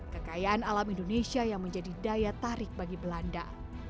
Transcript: kekayaan alam indonesia yang menjadi daya tarik bagi belanda